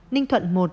ninh thuận một